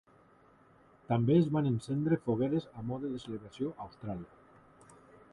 També es van encendre fogueres a mode de celebració a Austràlia.